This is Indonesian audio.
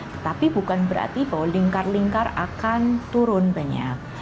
tetapi bukan berarti bahwa lingkar lingkar akan turun banyak